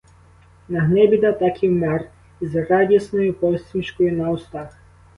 Нагнибіда так і вмер із радісною посмішкою на устах.